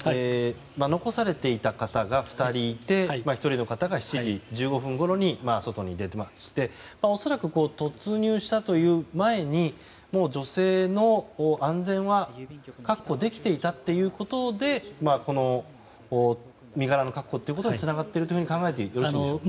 残されていた方が２人いて１人の方が７時１５分ごろに外に出まして恐らく、突入したという前にもう女性の安全は確保できていたということでこの身柄の確保ということにつながっていると考えてよろしいでしょうか。